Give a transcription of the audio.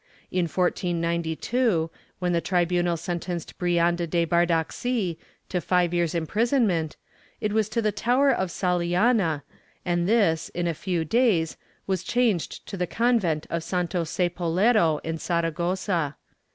^ In 1492, when the tribunal sen tenced Brianda de Bardaxi to five years' imprisonment, it was to the tower of Saliana and this, in a few days, was changed to the convent of Santo Sepolcro in Saragossa.